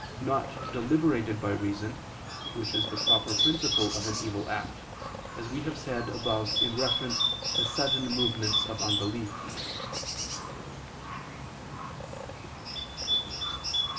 not deliberated by reason, which is the proper principle of an evil act, as we have said above in reference to sudden movements of unbelief.